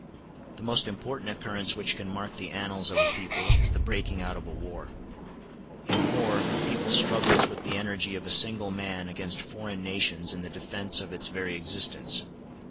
The most important occurrence which can mark the annals of a people is the breaking out of a war. In war a people struggles with the energy of a single man against foreign nations in the defence of its very existence.